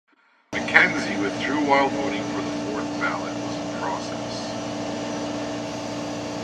McKenzie withdrew while voting for the fourth ballot was in process.